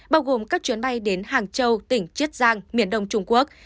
bao gồm các chuyến bay đến hàng châu tỉnh chiết giang miền đông trung quốc